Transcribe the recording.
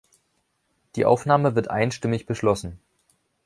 Die Aufnahme wird einstimmig beschlossen.